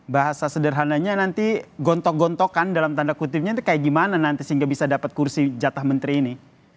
bahasa sederhananya nanti gontok gontokan dalam tanda kutipnya itu kayak gimana nanti sehingga bisa dapat kursi jatah menteri ini